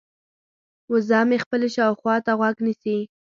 وزه مې خپلې شاوخوا ته غوږ نیسي.